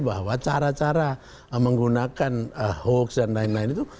bahwa cara cara menggunakan hoax dan lain lain itu